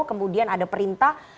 kemudian ada perintah